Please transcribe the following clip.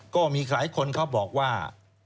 ก็มีหลายคนเขาบอกว่า